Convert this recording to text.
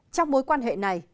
trong mối quan hệ này